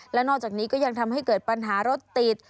และนอกจากนี้ก็ยังทำให้เกิดปัญหารถติด